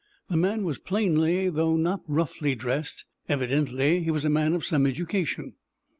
The man was plainly though not roughly dressed; evidently he was a man of some education.